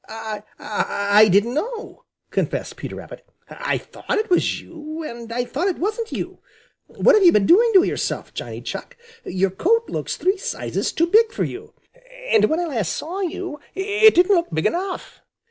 "I I I didn't know," confessed Peter Rabbit. "I thought it was you and I thought it wasn't you. What have you been doing to yourself, Johnny Chuck? Your coat looks three sizes too big for you, and when I last saw you it didn't look big enough."